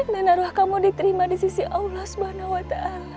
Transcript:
dan arwah kamu diterima di sisi allah swt